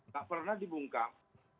tak pernah dibungkam